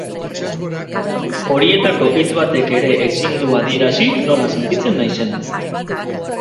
Horietako hitz batek ere ezin du adierazi nola sentitzen naizen.